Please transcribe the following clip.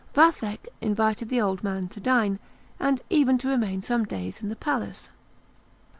Vathek invited the old main to dine, and even to remain some days in the palace.